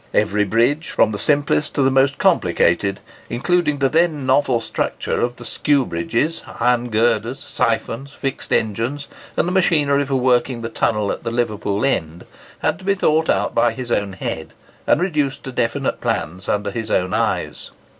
Every bridge, from the simplest to the most complicated, including the then novel structure of the "skew bridge," iron girders, siphons, fixed engines, and the machinery for working the tunnel at the Liverpool end, had to be thought out by his own head, and reduced to definite plans under his own eyes.